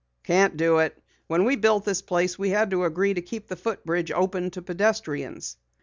"Can't do it. When we built this place we had to agree to keep the footbridge open to pedestrians."